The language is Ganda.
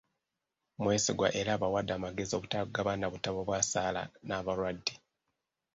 Mwesigwa era abawadde amagezi obutagabana butabo bwa ssaala nabalwadde.